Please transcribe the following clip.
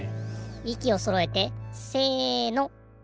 いきをそろえてせの。